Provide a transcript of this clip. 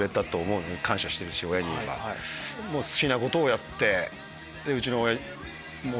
好きなことをやって。